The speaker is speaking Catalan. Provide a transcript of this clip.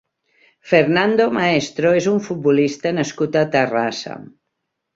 Fernando Maestro és un futbolista nascut a Terrassa.